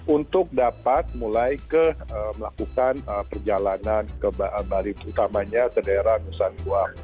untuk dapat mulai melakukan perjalanan ke bali utamanya terdaerah nusa tua